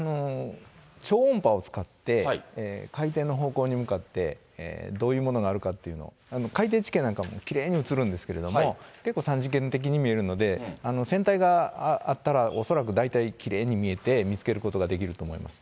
超音波を使って、海底の方向に向かって、どういうものがあるかというのを、海底地形なんかもきれいに映るんですけども、結構３次元的に見えるので、船体があったら、恐らく大体きれいに見えて、見つけることができると思います。